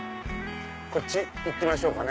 こっち行ってみましょうかね。